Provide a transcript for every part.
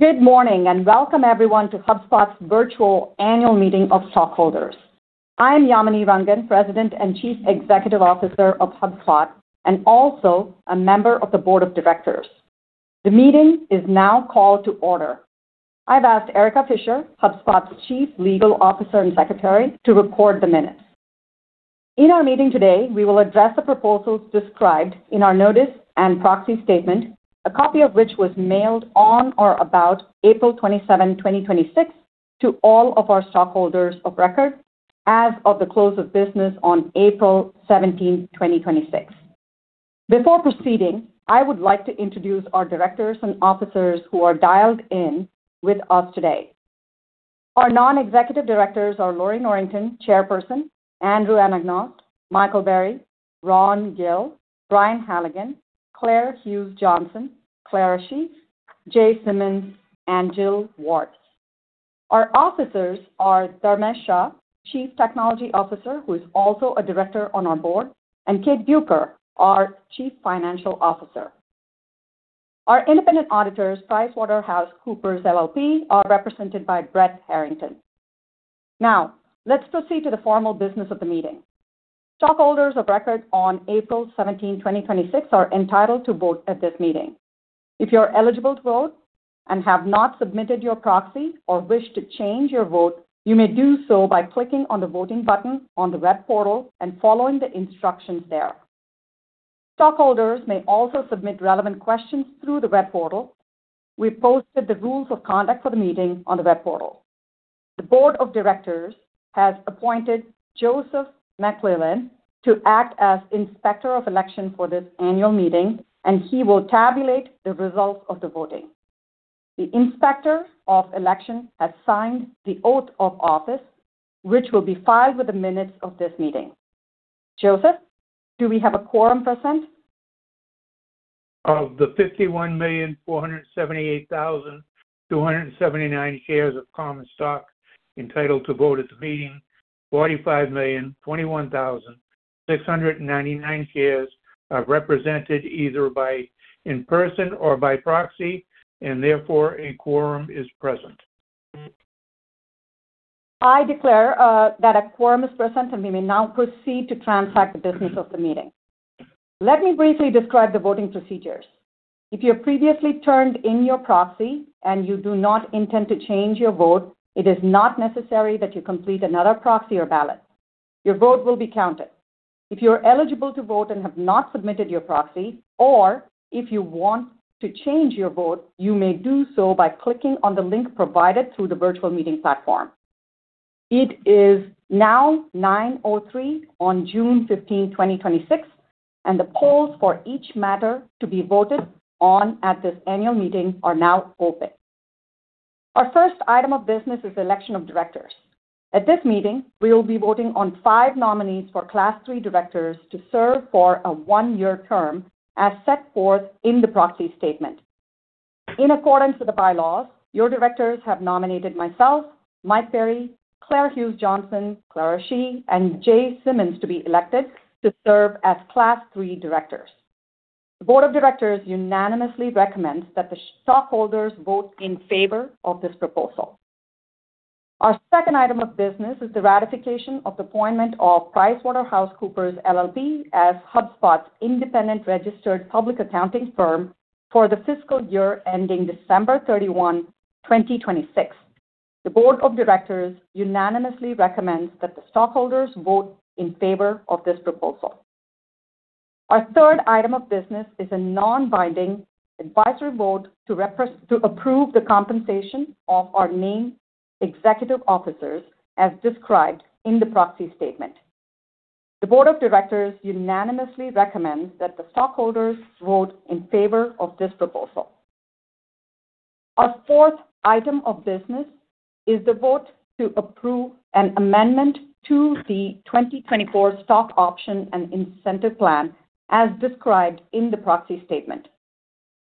Good morning, and welcome everyone to HubSpot's Virtual Annual Meeting of Stockholders. I am Yamini Rangan, President and Chief Executive Officer of HubSpot, and also a member of the board of directors. The meeting is now called to order. I've asked Erika Fisher, HubSpot's Chief Legal Officer and Secretary, to record the minutes. In our meeting today, we will address the proposals described in our notice and proxy statement, a copy of which was mailed on or about April 27, 2026, to all of our stockholders of record as of the close of business on April 17, 2026. Before proceeding, I would like to introduce our directors and officers who are dialed in with us today. Our non-executive directors are Lorrie Norrington, Chairperson, Andrew Anagnost, Mike Berry, Ron Gill, Brian Halligan, Claire Hughes Johnson, Clara Shih, Jay Simons, and Jill Ward. Our officers are Dharmesh Shah, Chief Technology Officer, who is also a director on our board, and Kate Bueker, our Chief Financial Officer. Our independent auditors, PricewaterhouseCoopers LLP, are represented by Brett Harrington. Let's proceed to the formal business of the meeting. Stockholders of record on April 17, 2026, are entitled to vote at this meeting. If you're eligible to vote and have not submitted your proxy or wish to change your vote, you may do so by clicking on the voting button on the web portal and following the instructions there. Stockholders may also submit relevant questions through the web portal. We posted the rules of conduct for the meeting on the web portal. The board of directors has appointed Joseph McLellan to act as Inspector of Election for this annual meeting, and he will tabulate the results of the voting. The Inspector of Election has signed the oath of office, which will be filed with the minutes of this meeting. Joseph, do we have a quorum present? Of the 51,478,279 shares of common stock entitled to vote at the meeting, 45,021,699 shares are represented either by in person or by proxy, and therefore a quorum is present. I declare that a quorum is present, and we may now proceed to transact the business of the meeting. Let me briefly describe the voting procedures. If you have previously turned in your proxy and you do not intend to change your vote, it is not necessary that you complete another proxy or ballot. Your vote will be counted. If you are eligible to vote and have not submitted your proxy or if you want to change your vote, you may do so by clicking on the link provided through the virtual meeting platform. It is now 9:03 A.M. on June 15, 2026, and the polls for each matter to be voted on at this annual meeting are now open. Our first item of business is election of directors. At this meeting, we will be voting on five nominees for Class III directors to serve for a one-year term as set forth in the proxy statement. In accordance with the bylaws, your directors have nominated myself, Mike Berry, Claire Hughes Johnson, Clara Shih, and Jay Simons to be elected to serve as Class III directors. The board of directors unanimously recommends that the stockholders vote in favor of this proposal. Our second item of business is the ratification of appointment of PricewaterhouseCoopers LLP as HubSpot's independent registered public accounting firm for the fiscal year ending December 31, 2026. The board of directors unanimously recommends that the stockholders vote in favor of this proposal. Our third item of business is a non-binding advisory vote to approve the compensation of our named executive officers as described in the proxy statement. The board of directors unanimously recommends that the stockholders vote in favor of this proposal. Our fourth item of business is the vote to approve an amendment to the 2024 stock option and incentive plan as described in the proxy statement.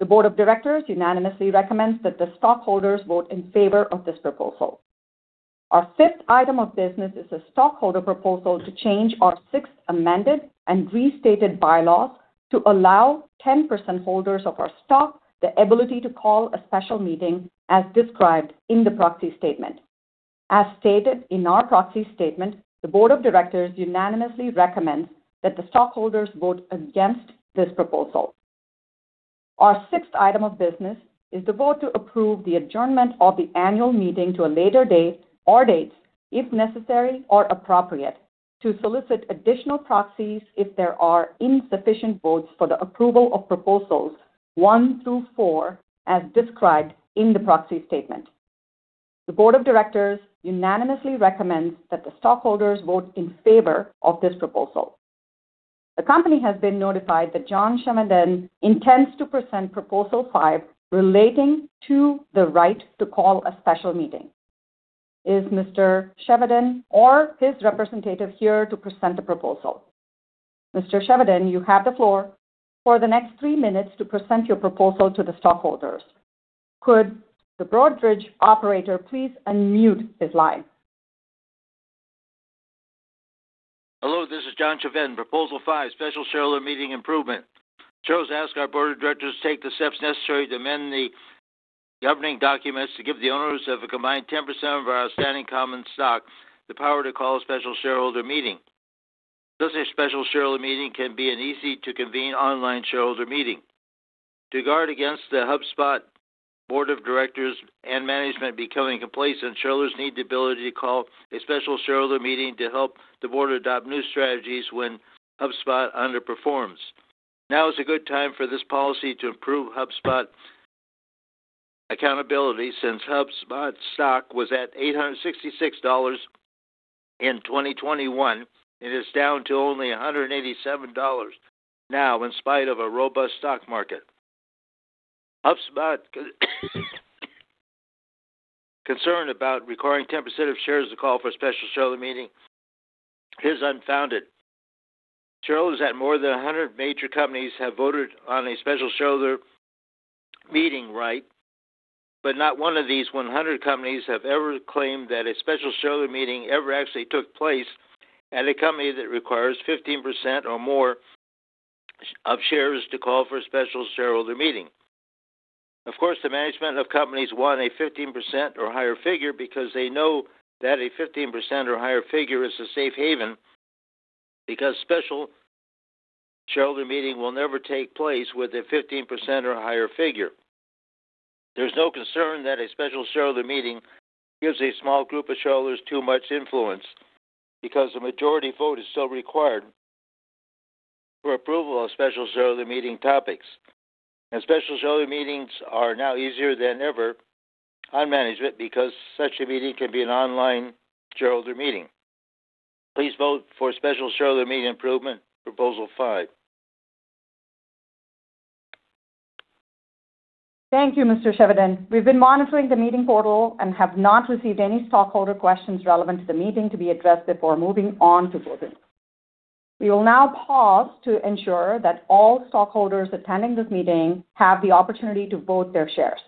The board of directors unanimously recommends that the stockholders vote in favor of this proposal. Our fifth item of business is a stockholder proposal to change our sixth amended and restated bylaws to allow 10% holders of our stock the ability to call a special meeting as described in the proxy statement. As stated in our proxy statement, the board of directors unanimously recommends that the stockholders vote against this proposal. Our sixth item of business is the vote to approve the adjournment of the annual meeting to a later day or dates, if necessary or appropriate, to solicit additional proxies if there are insufficient votes for the approval of Proposals One through Four as described in the proxy statement. The board of directors unanimously recommends that the stockholders vote in favor of this proposal. The company has been notified that John Chevedden intends to present Proposal Five relating to the right to call a special meeting. Is Mr. Chevedden or his representative here to present the proposal? Mr. Chevedden, you have the floor for the next three minutes to present your proposal to the stockholders. Could the Broadridge operator please unmute his line? This is John Chevedden. Proposal Five, special shareholder meeting improvement. Shareholders ask our board of directors to take the steps necessary to amend the governing documents to give the owners of a combined 10% of our outstanding common stock the power to call a special shareholder meeting. Such a special shareholder meeting can be an easy-to-convene online shareholder meeting. To guard against the HubSpot board of directors and management becoming complacent, shareholders need the ability to call a special shareholder meeting to help the board adopt new strategies when HubSpot underperforms. Now is a good time for this policy to improve HubSpot accountability since HubSpot stock was at $866 in 2021 and is down to only $187 now in spite of a robust stock market. HubSpot concern about requiring 10% of shares to call for a special shareholder meeting is unfounded. Shareholders at more than 100 major companies have voted on a special shareholder meeting right. Not one of these 100 companies have ever claimed that a special shareholder meeting ever actually took place at a company that requires 15% or more of shares to call for a special shareholder meeting. Of course, the management of companies want a 15% or higher figure because they know that a 15% or higher figure is a safe haven because special shareholder meeting will never take place with a 15% or higher figure. There's no concern that a special shareholder meeting gives a small group of shareholders too much influence because the majority vote is still required for approval of special shareholder meeting topics. Special shareholder meetings are now easier than ever on management because such a meeting can be an online shareholder meeting. Please vote for special shareholder meeting improvement, Proposal Five. Thank you, Mr. Chevedden. We've been monitoring the meeting portal and have not received any stockholder questions relevant to the meeting to be addressed before moving on to voting. We will now pause to ensure that all stockholders attending this meeting have the opportunity to vote their shares.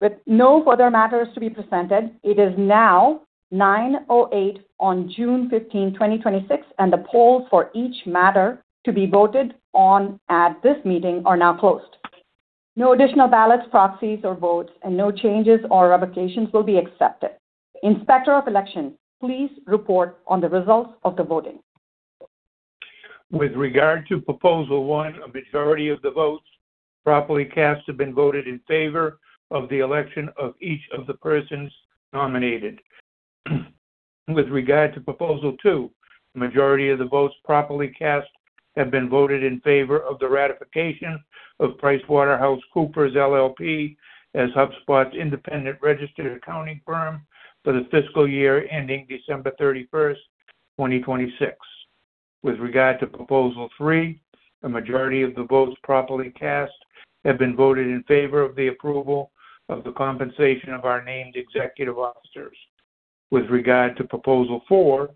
With no further matters to be presented, it is now 9:08 A.M. on June 15, 2026, and the polls for each matter to be voted on at this meeting are now closed. No additional ballots, proxies, or votes, and no changes or revocations will be accepted. Inspector of Election, please report on the results of the voting. With regard to Proposal One, a majority of the votes properly cast have been voted in favor of the election of each of the persons nominated. With regard to Proposal Two, the majority of the votes properly cast have been voted in favor of the ratification of PricewaterhouseCoopers LLP as HubSpot's independent registered accounting firm for the fiscal year ending December 31st, 2026. With regard to Proposal Three, the majority of the votes properly cast have been voted in favor of the approval of the compensation of our named executive officers. With regard to Proposal Four,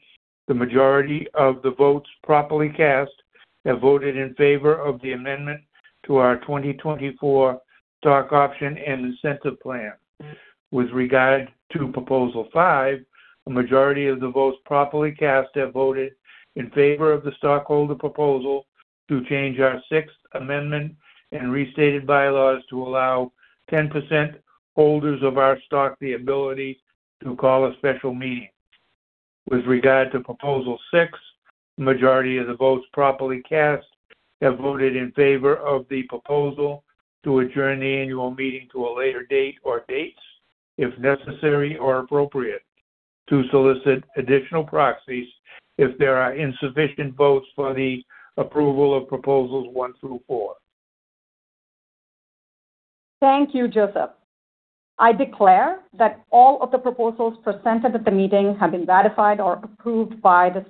the majority of the votes properly cast have voted in favor of the amendment to our 2024 stock option and incentive plan. With regard to Proposal Five, a majority of the votes properly cast have voted in favor of the stockholder proposal to change our sixth amended and restated bylaws to allow 10% holders of our stock the ability to call a special meeting. With regard to Proposal Six, the majority of the votes properly cast have voted in favor of the proposal to adjourn the annual meeting to a later date or dates, if necessary or appropriate, to solicit additional proxies if there are insufficient votes for the approval of Proposals One through Four. Thank you, Joseph. I declare that all of the proposals presented at the meeting have been ratified or approved by the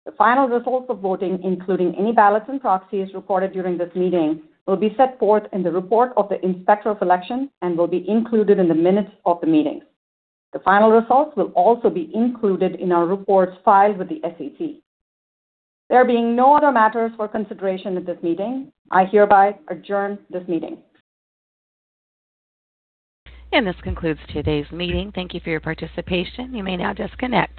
stockholders. The final results of voting, including any ballots and proxies reported during this meeting, will be set forth in the report of the Inspector of Election and will be included in the minutes of the meeting. The final results will also be included in our reports filed with the SEC. There being no other matters for consideration at this meeting, I hereby adjourn this meeting. This concludes today's meeting. Thank you for your participation. You may now disconnect.